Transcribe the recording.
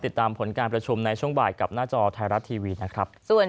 ติดตามผลการประชุมในช่วงบ่ายกับหน้าจอไทยรัฐทีวีนะครับ